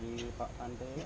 di silap bambu